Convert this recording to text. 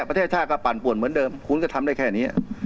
ประเทศชาติก็ปั่นป่วนเหมือนเดิมคุณก็ทำได้แค่นี้